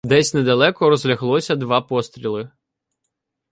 Десь недалеко розляглося два постріли.